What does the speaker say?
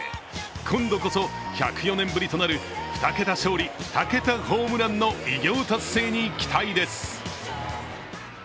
今度こそ１０４年ぶりとなる２桁勝利・２桁ホームランの偉業達成に期待です。